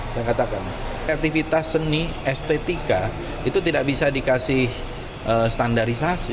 saya katakan aktivitas seni estetika itu tidak bisa dikasih standarisasi